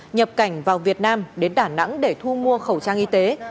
nhập cảnh vào việt nam đến đà nẵng để thu mua khẩu trang y tế